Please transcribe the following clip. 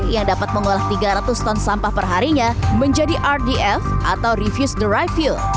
yang dapat mengolah tiga ratus ton sampah perharinya menjadi rdf atau refuse the right fuel